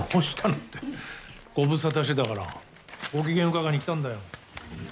ご無沙汰してたからご機嫌伺いに来たんだよ。